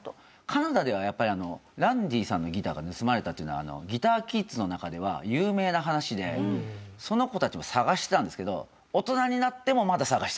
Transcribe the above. カナダではやっぱりランディさんのギターが盗まれたというのはギターキッズの中では有名な話でその子たちも探してたんですけど大人になってもまだ探してたんですよ。